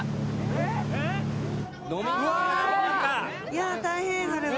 いや大変それは。